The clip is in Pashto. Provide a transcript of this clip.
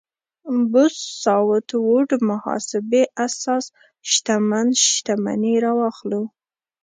بوث ساوت ووډ محاسبې اساس شتمن شتمني راواخلو.